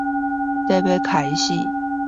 即將開始